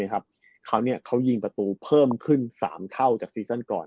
เขายิงประตูเพิ่มขึ้น๓เท่าจากซีซั่นก่อน